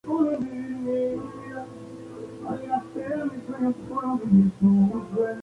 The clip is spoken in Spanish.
Muchas fueron reliquias familiares de familias prominentes en Roma.